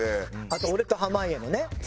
あと俺と濱家のね。